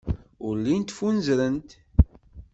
Ur llint ffunzrent.